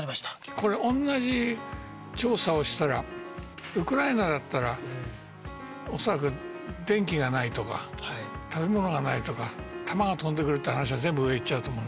これおんなじ調査をしたらウクライナだったらおそらく電気がないとか食べ物がないとか弾が飛んでくるって話が全部上行っちゃうと思う。